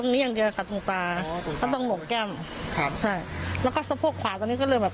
ไม่จะเป็นอาการของเขา